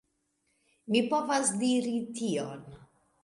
Mi povas diri tion.